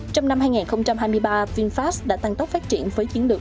trong năm hai nghìn hai mươi ba vinfast đã tăng tốc phát triển với chiến lược